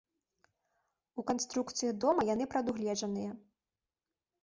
У канструкцыі дома яны прадугледжаныя.